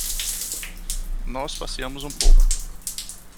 Nós passeamos um pouco